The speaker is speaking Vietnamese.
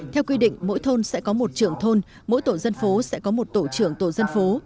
theo quy định mỗi thôn sẽ có một trưởng thôn mỗi tổ dân phố sẽ có một tổ trưởng tổ dân phố